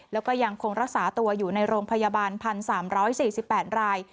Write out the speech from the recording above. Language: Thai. แล้วก็ยังคงรักษาตัวอยู่ในโรงพยาบาล๑๓๔๘ราย